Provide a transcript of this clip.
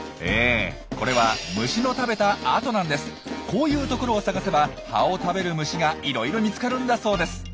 こういうところを探せば葉を食べる虫がいろいろ見つかるんだそうです。